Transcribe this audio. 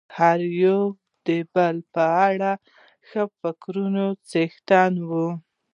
هر يو د بل په اړه د ښو فکرونو څښتن وي.